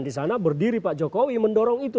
di sana berdiri pak jokowi mendorong itu